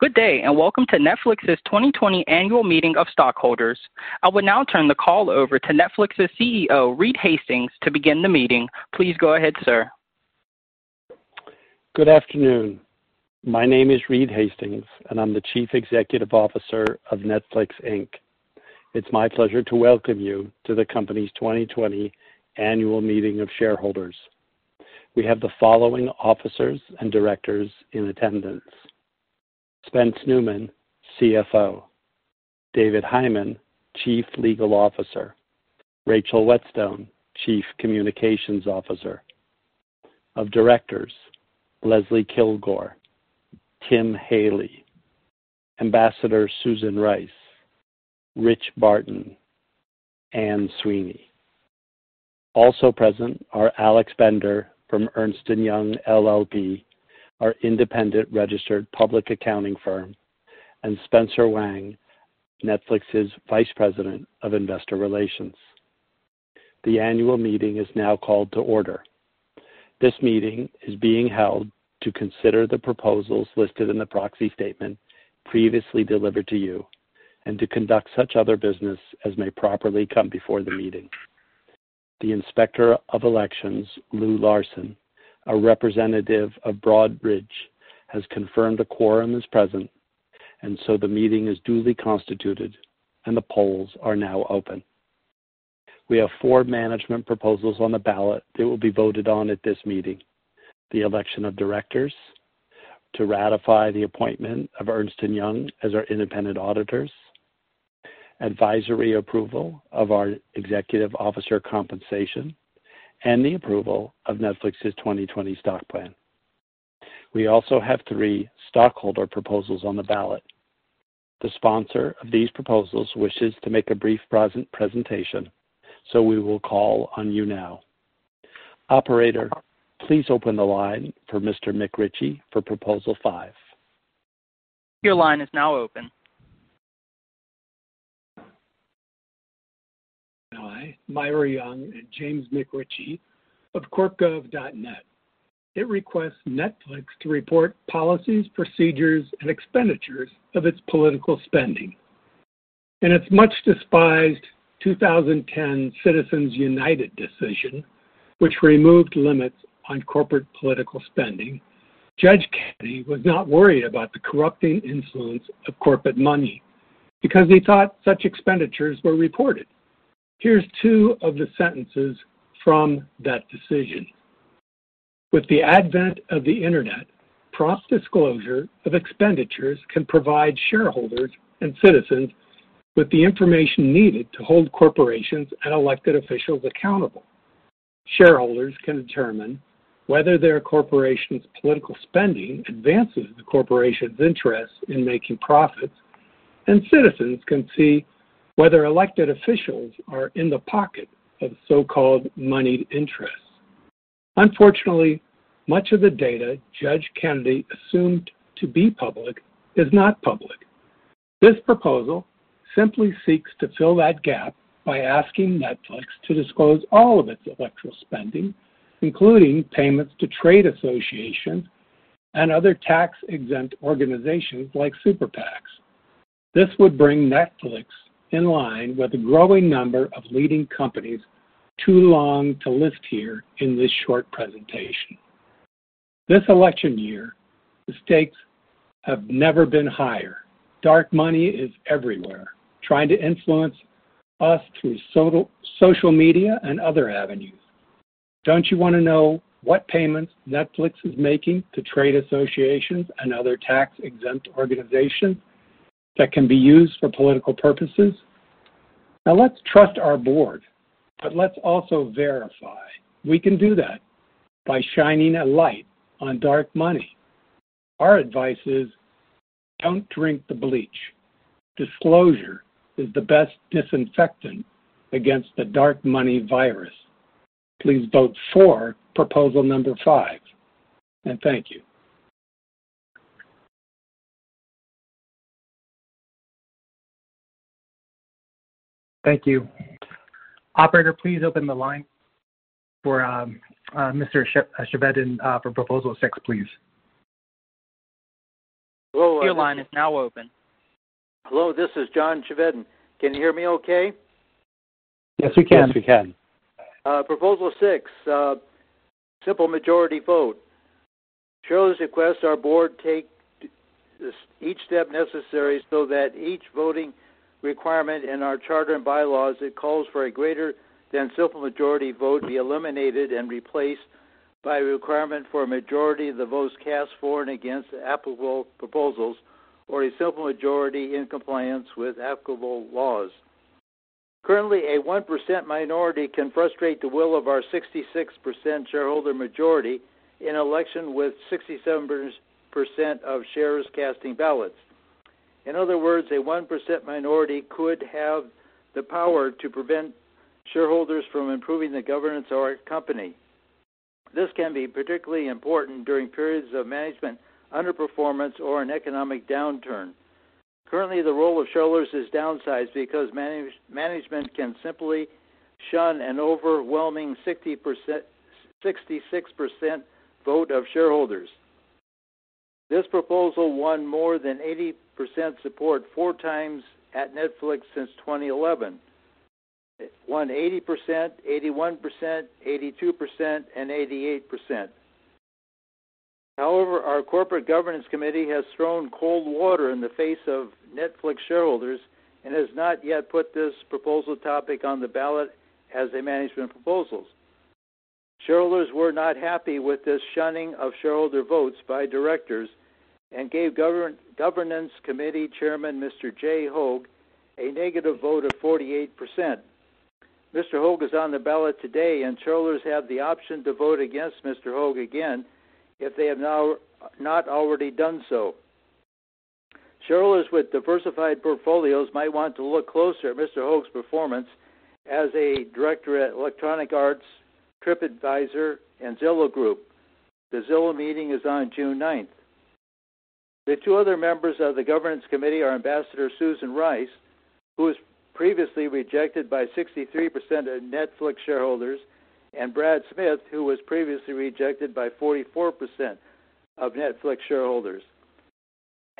Good day. Welcome to Netflix's 2020 annual meeting of stockholders. I will now turn the call over to Netflix's CEO, Reed Hastings, to begin the meeting. Please go ahead, sir. Good afternoon. My name is Reed Hastings, and I'm the Chief Executive Officer of Netflix, Inc. It's my pleasure to welcome you to the company's 2020 annual meeting of shareholders. We have the following officers and directors in attendance: Spencer Neumann, CFO, David Hyman, Chief Legal Officer, Rachel Whetstone, Chief Communications Officer. Of directors, Leslie Kilgore, Tim Haley, Ambassador Susan Rice, Rich Barton, Anne Sweeney. Also present are Alex Bender from Ernst & Young LLP, our independent registered public accounting firm, and Spencer Wang, Netflix's Vice President of Investor Relations. The annual meeting is now called to order. This meeting is being held to consider the proposals listed in the proxy statement previously delivered to you, and to conduct such other business as may properly come before the meeting. The Inspector of Elections, Lou Larsen, a representative of Broadridge, has confirmed a quorum is present, and so the meeting is duly constituted, and the polls are now open. We have four management proposals on the ballot that will be voted on at this meeting. The election of directors, to ratify the appointment of Ernst & Young as our independent auditors, advisory approval of our executive officer compensation, and the approval of Netflix's 2020 stock plan. We also have three stockholder proposals on the ballot. The sponsor of these proposals wishes to make a brief presentation, so we will call on you now. Operator, please open the line for Mr. McRitchie for Proposal 5. Your line is now open. Hi, Myra Young and James McRitchie of corpgov.net. It requests Netflix to report policies, procedures, and expenditures of its political spending. In its much despised 2010 Citizens United decision, which removed limits on corporate political spending, Judge Kennedy was not worried about the corrupting influence of corporate money because he thought such expenditures were reported. Here's two of the sentences from that decision. "With the advent of the Internet, prompt disclosure of expenditures can provide shareholders and citizens with the information needed to hold corporations and elected officials accountable. Shareholders can determine whether their corporation's political spending advances the corporation's interest in making profits, and citizens can see whether elected officials are in the pocket of so-called moneyed interests." Unfortunately, much of the data Judge Kennedy assumed to be public is not public. This proposal simply seeks to fill that gap by asking Netflix to disclose all of its electoral spending, including payments to trade associations and other tax-exempt organizations like super PACs. This would bring Netflix in line with a growing number of leading companies too long to list here in this short presentation. This election year, the stakes have never been higher. Dark money is everywhere, trying to influence us through social media and other avenues. Don't you want to know what payments Netflix is making to trade associations and other tax-exempt organizations that can be used for political purposes? Now, let's trust our board, but let's also verify. We can do that by shining a light on dark money. Our advice is, don't drink the bleach. Disclosure is the best disinfectant against the dark money virus. Please vote for Proposal Number 5, and thank you. Thank you. Operator, please open the line for Mr. Chevedden for Proposal 6, please. Your line is now open. Hello, this is John Chevedden. Can you hear me okay? Yes, we can. Yes, we can. Proposal 6, simple majority vote. Shares request our board take each step necessary so that each voting requirement in our charter and bylaws that calls for a greater than simple majority vote be eliminated and replaced by a requirement for a majority of the votes cast for and against the applicable proposals or a simple majority in compliance with applicable laws. Currently, a 1% minority can frustrate the will of our 66% shareholder majority in election with 67% of shares casting ballots. In other words, a 1% minority could have the power to prevent shareholders from improving the governance of our company. This can be particularly important during periods of management underperformance or an economic downturn. Currently, the role of shareholders is downsized because management can simply shun an overwhelming 66% vote of shareholders. This proposal won more than 80% support four times at Netflix since 2011. It won 80%, 81%, 82%, and 88%. However, our corporate governance committee has thrown cold water in the face of Netflix shareholders and has not yet put this proposal topic on the ballot as a management proposal. Shareholders were not happy with this shunning of shareholder votes by directors and gave governance committee chairman, Mr. Jay Hoag, a negative vote of 48%. Mr. Hoag is on the ballot today, and shareholders have the option to vote against Mr. Hoag again if they have not already done so. Shareholders with diversified portfolios might want to look closer at Mr. Hoag's performance as a director at Electronic Arts, TripAdvisor, and Zillow Group. The Zillow meeting is on June 9th. The two other members of the governance committee are Ambassador Susan Rice, who was previously rejected by 63% of Netflix shareholders, and Brad Smith, who was previously rejected by 44% of Netflix shareholders.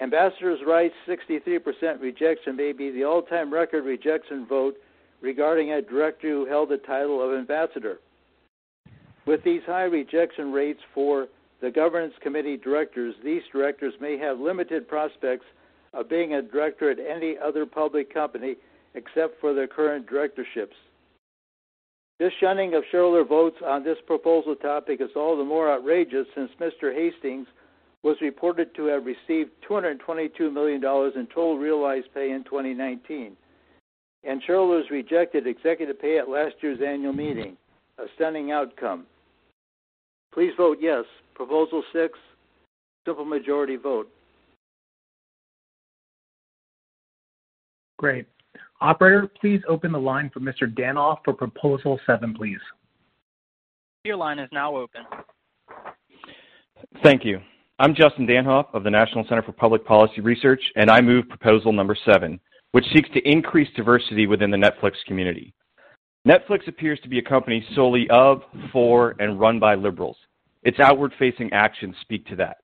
Ambassador Rice's 63% rejection may be the all-time record rejection vote regarding a director who held the title of ambassador. With these high rejection rates for the governance committee directors, these directors may have limited prospects of being a director at any other public company except for their current directorships. This shunning of shareholder votes on this proposal topic is all the more outrageous since Mr. Hastings was reported to have received $222 million in total realized pay in 2019, and shareholders rejected executive pay at last year's annual meeting, a stunning outcome. Please vote yes. Proposal 6, simple majority vote. Great. Operator, please open the line for Mr. Danhof for Proposal 7, please. Your line is now open. Thank you. I'm Justin Danhof of the National Center for Public Policy Research. I move Proposal Number 7, which seeks to increase diversity within the Netflix community. Netflix appears to be a company solely of, for, and run by liberals. Its outward-facing actions speak to that.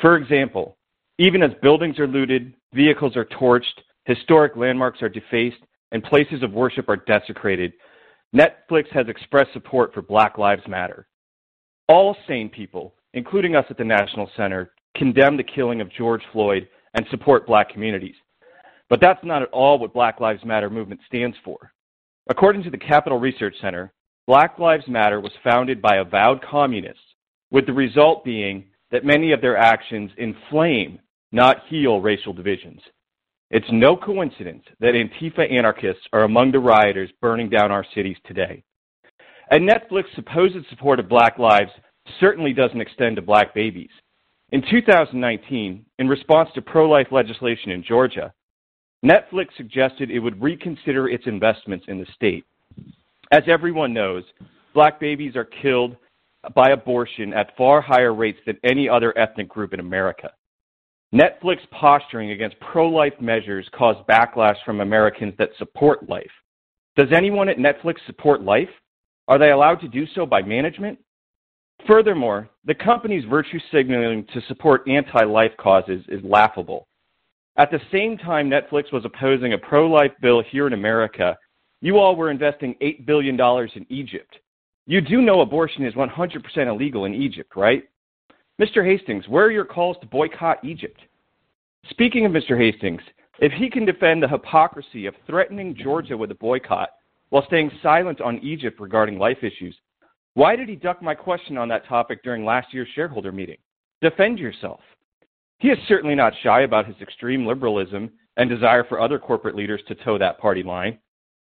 For example, even as buildings are looted, vehicles are torched, historic landmarks are defaced, and places of worship are desecrated, Netflix has expressed support for Black Lives Matter. All sane people, including us at the National Center, condemn the killing of George Floyd and support Black communities. That's not at all what Black Lives Matter movement stands for. According to the Capital Research Center, Black Lives Matter was founded by avowed communists, with the result being that many of their actions inflame, not heal, racial divisions. It's no coincidence that Antifa anarchists are among the rioters burning down our cities today. Netflix's supposed support of Black lives certainly doesn't extend to Black babies. In 2019, in response to pro-life legislation in Georgia, Netflix suggested it would reconsider its investments in the state. As everyone knows, Black babies are killed by abortion at far higher rates than any other ethnic group in America. Netflix posturing against pro-life measures caused backlash from Americans that support life. Does anyone at Netflix support life? Are they allowed to do so by management? The company's virtue signaling to support anti-life causes is laughable. At the same time Netflix was opposing a pro-life bill here in America, you all were investing $8 billion in Egypt. You do know abortion is 100% illegal in Egypt, right? Mr. Hastings, where are your calls to boycott Egypt? Speaking of Mr. Hastings, if he can defend the hypocrisy of threatening Georgia with a boycott while staying silent on Egypt regarding life issues, why did he duck my question on that topic during last year's shareholder meeting? Defend yourself. He is certainly not shy about his extreme liberalism and desire for other corporate leaders to toe that party line.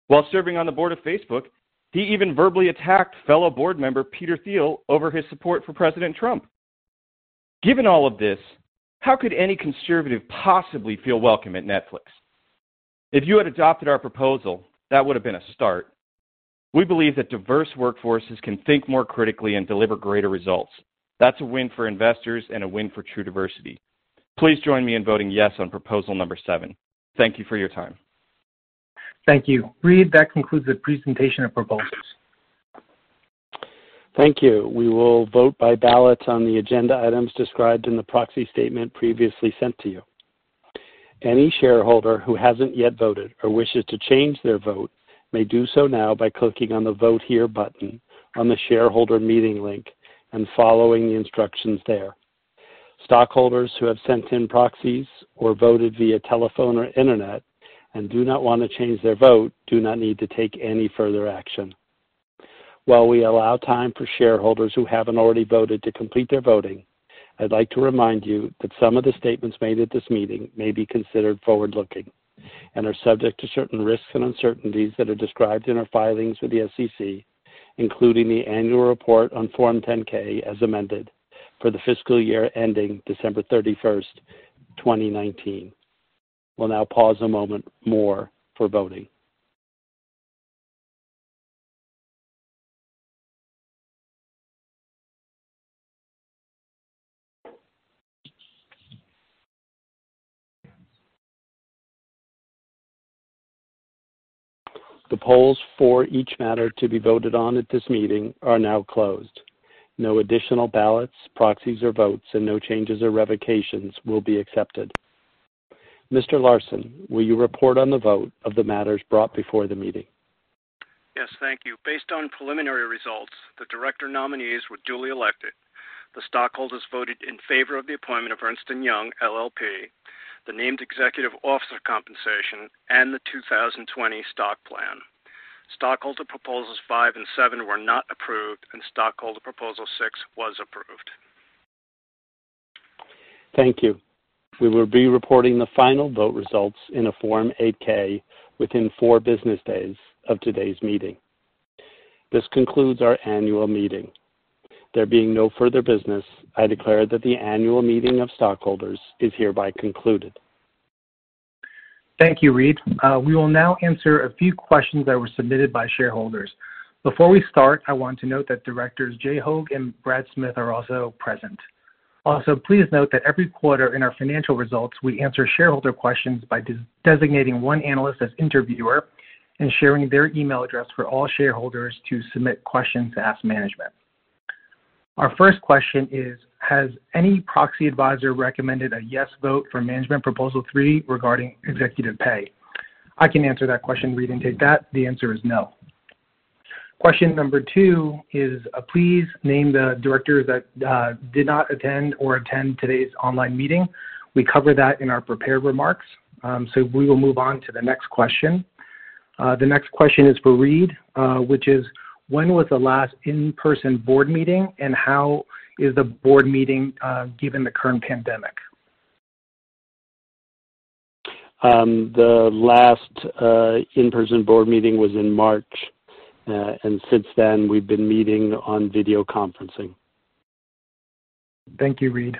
While serving on the board of Facebook, he even verbally attacked fellow board member Peter Thiel over his support for President Trump. Given all of this, how could any conservative possibly feel welcome at Netflix? If you had adopted our proposal, that would have been a start. We believe that diverse workforces can think more critically and deliver greater results. That's a win for investors and a win for true diversity. Please join me in voting yes on Proposal Number 7. Thank you for your time. Thank you. Reed, that concludes the presentation of proposals. Thank you. We will vote by ballot on the agenda items described in the proxy statement previously sent to you. Any shareholder who hasn't yet voted or wishes to change their vote may do so now by clicking on the Vote Here button on the shareholder meeting link and following the instructions there. Stockholders who have sent in proxies or voted via telephone or internet and do not want to change their vote do not need to take any further action. While we allow time for shareholders who haven't already voted to complete their voting, I'd like to remind you that some of the statements made at this meeting may be considered forward-looking and are subject to certain risks and uncertainties that are described in our filings with the SEC, including the annual report on Form 10-K as amended for the fiscal year ending December 31st, 2019. We'll now pause a moment more for voting. The polls for each matter to be voted on at this meeting are now closed. No additional ballots, proxies, or votes, and no changes or revocations will be accepted. Mr. Larsen, will you report on the vote of the matters brought before the meeting? Yes. Thank you. Based on preliminary results, the director nominees were duly elected. The stockholders voted in favor of the appointment of Ernst & Young LLP, the named executive officer compensation, and the 2020 stock plan. Stockholder Proposals 5 and 7 were not approved. Stockholder Proposal 6 was approved. Thank you. We will be reporting the final vote results in a Form 8-K within four business days of today's meeting. This concludes our annual meeting. There being no further business, I declare that the annual meeting of stockholders is hereby concluded. Thank you, Reed. We will now answer a few questions that were submitted by shareholders. Before we start, I want to note that directors Jay Hoag and Brad Smith are also present. Please note that every quarter in our financial results, we answer shareholder questions by designating one analyst as interviewer and sharing their email address for all shareholders to submit questions to ask management. Our first question is, "Has any proxy advisor recommended a yes vote for management Proposal 3 regarding executive pay?" I can answer that question, Reed, and take that. The answer is no. Question number two is, "Please name the directors that did not attend or attend today's online meeting." We covered that in our prepared remarks. We will move on to the next question. The next question is for Reed, which is, "When was the last in-person board meeting, and how is the board meeting given the current pandemic? The last in-person board meeting was in March. Since then, we've been meeting on video conferencing. Thank you, Reed.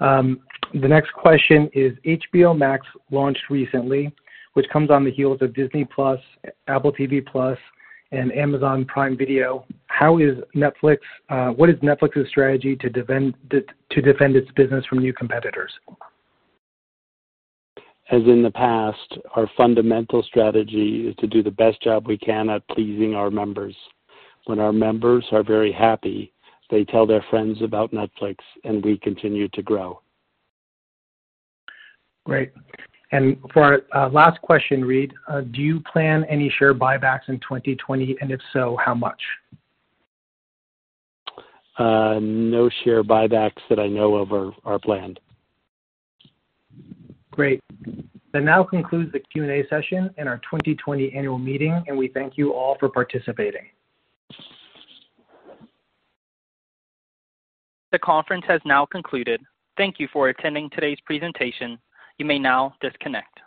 The next question is, "HBO Max launched recently, which comes on the heels of Disney+, Apple TV+, and Amazon Prime Video. What is Netflix's strategy to defend its business from new competitors? As in the past, our fundamental strategy is to do the best job we can at pleasing our members. When our members are very happy, they tell their friends about Netflix, and we continue to grow. Great. For our last question, Reed, "Do you plan any share buybacks in 2020, and if so, how much? No share buybacks that I know of are planned. Great. That now concludes the Q&A session in our 2020 annual meeting, and we thank you all for participating. The conference has now concluded. Thank you for attending today's presentation. You may now disconnect.